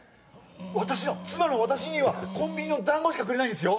私は妻の私にはコンビニのだんごしかくれないんですよ